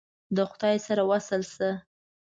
د خدای سره وصل ښه !